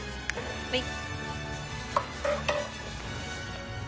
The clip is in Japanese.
はい。